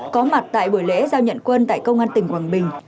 có mặt tại buổi lễ giao nhận quân tại công an tỉnh quảng bình